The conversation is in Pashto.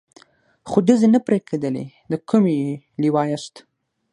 خو ډزې نه پرې کېدلې، د کومې لوا یاست؟